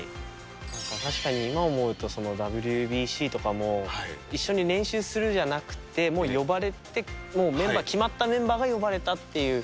確かに今、ＷＢＣとかも、一緒に練習するじゃなくて、もう呼ばれても決まったメンバーが呼ばれたっていう。